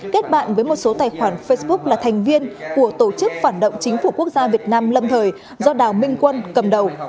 kết bạn với một số tài khoản facebook là thành viên của tổ chức phản động chính phủ quốc gia việt nam lâm thời do đào minh quân cầm đầu